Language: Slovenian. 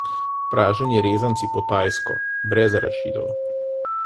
Praženi rezanci po tajsko, brez arašidov.